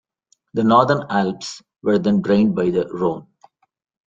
The northern Alps were then drained by the Rhone.